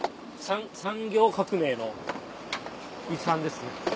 産業革命の遺産ですね。